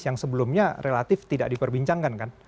yang sebelumnya relatif tidak diperbincangkan kan